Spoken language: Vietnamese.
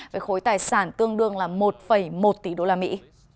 với khối tài sản tương đương là một một tỷ đô la mỹ